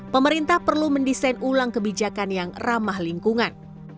pemerintah perlu mendesain ulang kebijakan yang ramah lingkungan